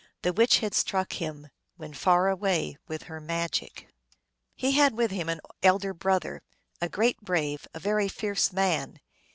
The witch had struck him, when far away, with her magic. He had with him an elder brother, a great brave, a very fierce man.